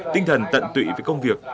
tinh thần tận tụy với công việc